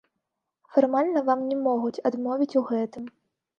Фармальна вам не могуць адмовіць у гэтым.